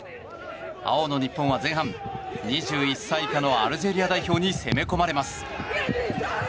青の日本は前半２１歳以下のアルジェリア代表に攻め込まれます。